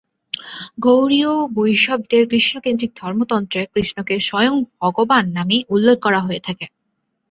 গৌড়ীয় বৈষ্ণবদের কৃষ্ণ-কেন্দ্রিক ধর্মতত্ত্বে কৃষ্ণকে "স্বয়ং ভগবান" নামে উল্লেখ করা হয়ে থাকে।